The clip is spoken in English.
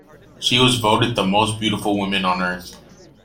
She was voted the most beautiful woman on Earth.